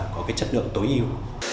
chất lượng tối ưu